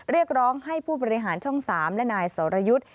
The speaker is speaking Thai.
เรียกร้องให้ผู้บริหารช่อง๓และนายสรยุทธ์